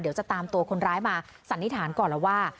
เดี๋ยวจะตามตัวคนร้ายมาสันนิษฐานก่อนแล้วว่า